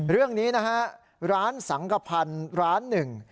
เรื่องนี้นะฮะร้านสังกภัณฑ์ร้านหนึ่ง